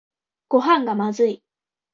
ごはんがまずい